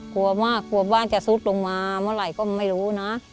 กลัวมากกลัวบ้านจะซุดลงมาเมื่อไหร่ก็ไม่รู้นะ